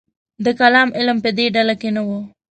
د کلام علم په دې ډله کې نه و.